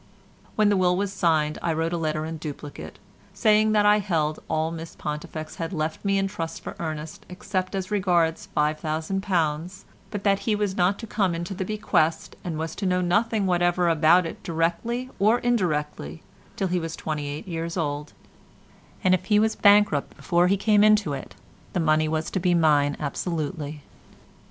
When the will was signed I wrote a letter in duplicate, saying that I held all Miss Pontifex had left me in trust for Ernest except as regards £5000, but that he was not to come into the bequest, and was to know nothing whatever about it directly or indirectly, till he was twenty eight years old, and if he was bankrupt before he came into it the money was to be mine absolutely.